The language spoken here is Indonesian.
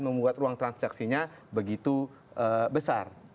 membuat ruang transaksinya begitu besar